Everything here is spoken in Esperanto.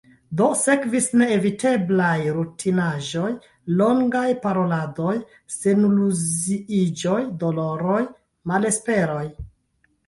Do, sekvis neeviteblaj rutinaĵoj – longaj paroladoj, seniluziiĝoj, doloroj, malesperoj...